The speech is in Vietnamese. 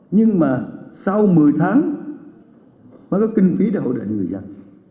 nhưng mà sau một mươi tháng mới có kinh phí để hỗ trợ người dân